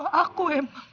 kalau aku emang